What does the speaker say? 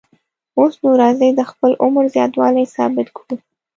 اوس نو راځئ د خپل عمر زیاتوالی ثابت کړو.